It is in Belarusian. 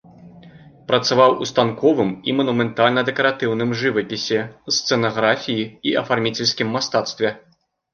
Працаваў у станковым і манументальна-дэкаратыўным жывапісе, сцэнаграфіі і афарміцельскім мастацтве.